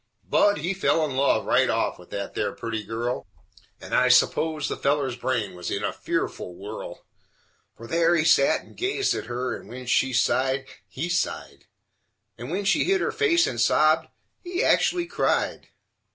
Budd, he fell dead in love right off with that there purty girl, And I suppose the feller's brain was in a fearful whirl, Fer there he set and gazed at her, and when she sighed he sighed, And when she hid her face and sobbed, he actually cried.